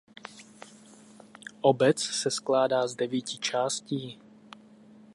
Obec se skládá z devíti částí.